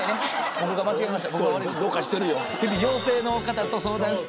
僕が間違えました。